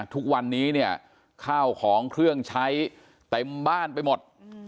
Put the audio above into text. ทุกวันนี้เนี่ยข้าวของเครื่องใช้เต็มบ้านไปหมด